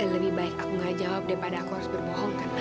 lebih baik aku gak jawab daripada aku harus berbohong